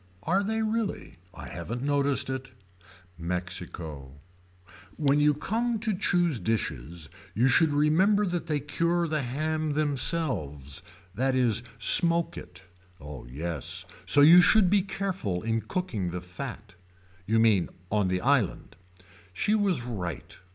Are they really. I haven't noticed it. Mexico. When you come to choose dishes you should remember that they cure the ham themselves that is smoke it. Oh yes. So you should be careful in cooking the fat. You mean on the island. She was right.